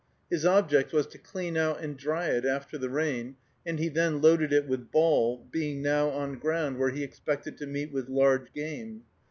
His object was to clean out and dry it after the rain, and he then loaded it with ball, being now on ground where he expected to meet with large game.